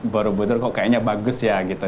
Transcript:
borobudur kok kayaknya bagus ya gitu